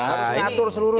harus mengatur seluruh